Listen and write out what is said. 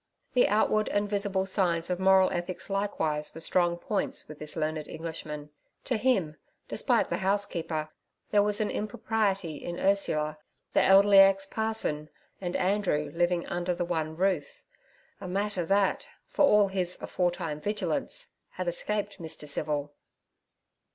The outward and visible signs of moral ethics likewise were strong points with this learned Englishman. To him, despite the housekeeper, there was an impropriety in Ursula, the elderly ex parson, and Andrew living under the one roof—a matter that, for all his aforetime vigilance, had escaped Mr. Civil.